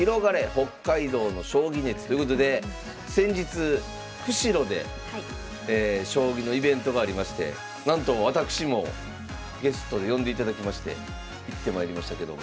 北海道の将棋熱！」ということで先日釧路で将棋のイベントがありましてなんと私もゲストで呼んでいただきまして行ってまいりましたけども。